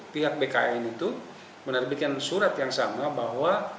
pihak bkn itu menerbitkan surat yang sama bahwa